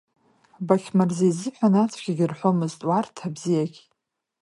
Бақьмырза изыҳәан ацәгьагьы рҳәомызт, уарҭ, абзиагьы.